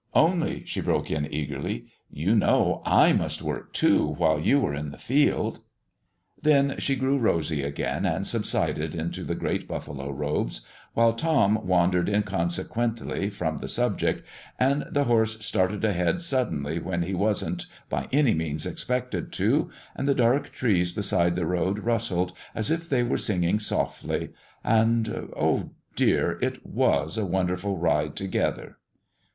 "Only," she broke in eagerly, "you know I must work, too, while you are in the field" Then she grew rosy again, and subsided into the great buffalo robes, while Tom wandered inconsequently from the subject, and the horse started ahead suddenly when he wasn't by any means expected to, and the dark trees beside the road rustled as if they were singing softly, and oh, dear! it was a wonderful ride altogether.